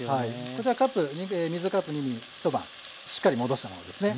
こちら水カップ２に一晩しっかり戻したものですね。